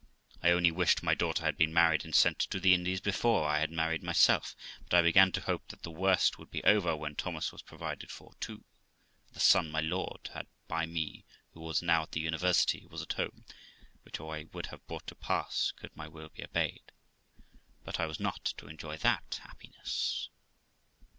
I only wished my daughter had been married and sent to the Indies before I had married myself; but I began to hope that the worst would be over when Thomas was provided for too, and the son my lord had by me, who was now at the university, was at home ; which I would have brought to pass could my will be obeyed, but I was not to enjoy that happiness.